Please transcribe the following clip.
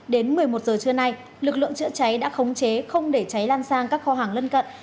đến một mươi một giờ trưa nay lực lượng chữa cháy đã khống chế không để cháy lan sang các kho hàng lân cận